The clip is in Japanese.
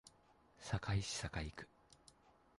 堺市堺区